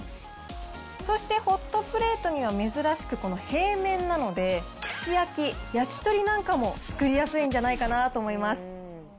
そしてホットプレートには珍しくこの平面なので、串焼き、焼き鳥なんかも作りやすいんじゃないかなと思います。